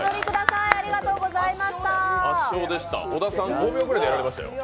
小田さん５秒ぐらいでやられてましたよ。